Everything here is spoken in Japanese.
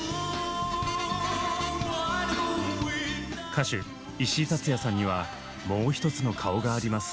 歌手石井竜也さんにはもう一つの顔があります。